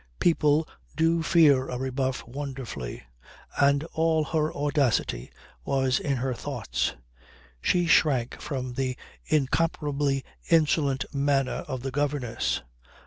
People do fear a rebuff wonderfully, and all her audacity was in her thoughts. She shrank from the incomparably insolent manner of the governess.